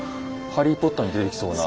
「ハリー・ポッター」に出てきそうな。